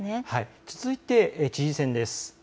続いて知事選です。